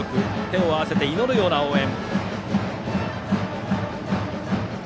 手を合わせて祈るような応援。